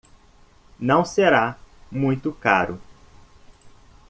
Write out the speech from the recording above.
Não será muito caro.